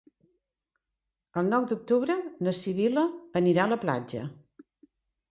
El nou d'octubre na Sibil·la anirà a la platja.